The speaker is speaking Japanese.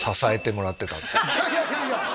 いやいやいやいや